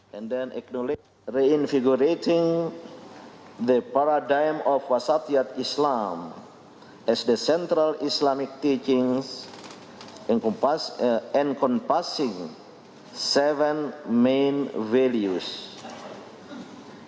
sebagai hasil pertemuan ada tujuh nilai yang disepakati sebagai cerminan wasatiyah islam